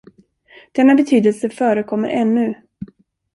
Denna betydelse förekommer ännu.